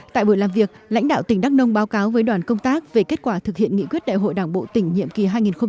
tại buổi làm việc lãnh đạo tỉnh đắk nông báo cáo với đoàn công tác về kết quả thực hiện nghị quyết đại hội đảng bộ tỉnh nhiệm kỳ hai nghìn một mươi năm hai nghìn hai mươi